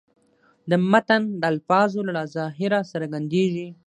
د متن د الفاظو له ظاهره څرګندېږي.